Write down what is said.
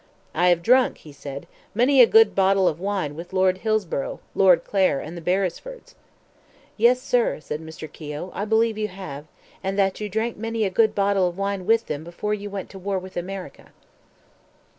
"I have drunk," he said, "many a good bottle of wine with Lord Hillsborough, Lord Clare, and the Beresfords." "Yes, sir," said Mr. Keogh, "I believe you have; and that you drank many a good bottle of wine with them before you went to war with America."